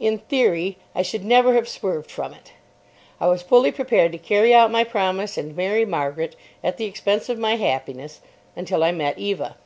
In theory I should never have swerved from it. I was fully prepared to carry out my promise and marry Margaret, at the expense of my happiness—until I met Eva.